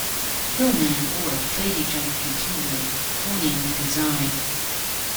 Hilleman and Orr played each other continually, honing the design.